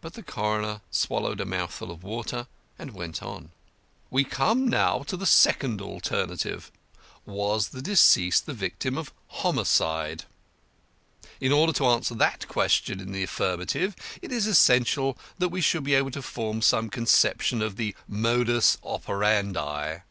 But the coroner swallowed a mouthful of water and went on: "We now come to the second alternative was the deceased the victim of homicide? In order to answer that question in the affirmative it is essential that we should be able to form some conception of the modus operandi.